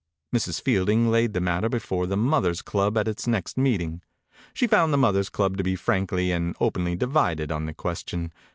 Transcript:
Mrs. Fielding laid the matter before the Mothers' club at its next meeting. She found the Mothers' club to be frankly and openly divided on the question.